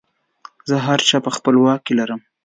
زه هر څه په خپله واک کې لرم.